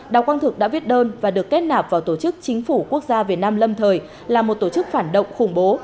đào quang thực đã viết đơn và được kết nạp vào tổ chức chính phủ quốc gia việt nam lâm thời là một tổ chức phản động khủng bố